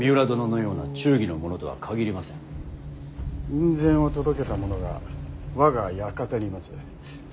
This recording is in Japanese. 院宣を届けた者が我が館にいます。